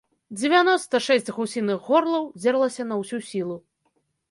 Дзевяноста шэсць гусіных горлаў дзерлася на ўсю сілу.